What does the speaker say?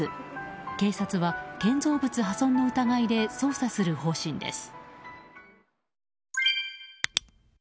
警察は建造物破損の疑いで捜査する方針です。